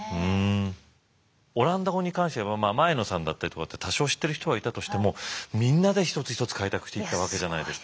オランダ語に関しては前野さんだったりとかって多少知ってる人がいたとしてもみんなで一つ一つ開拓していったわけじゃないですか。